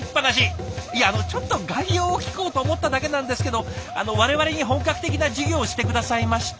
いやあのちょっと概要を聞こうと思っただけなんですけど我々に本格的な授業をして下さいました。